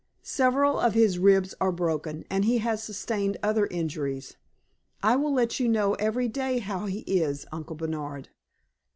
Several of his ribs are broken, and he has sustained other injuries. I will let you know every day how he is, Uncle Bernard."